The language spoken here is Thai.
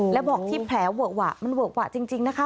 และบอกที่แผลเวอะหวะมันเวอะหวะจริงนะคะ